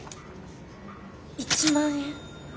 １万円？